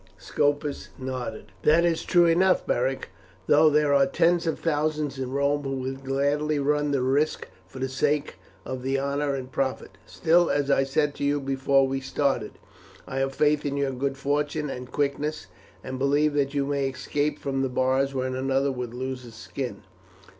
Scopus nodded. "That is true enough, Beric, though there are tens of thousands in Rome who would gladly run the risk for the sake of the honour and profit. Still, as I said to you before we started, I have faith in your good fortune and quickness, and believe that you may escape from the bars where another would lose his skin.